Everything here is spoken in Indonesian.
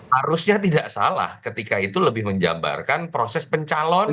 harusnya tidak salah ketika itu lebih menjabarkan proses pencalonan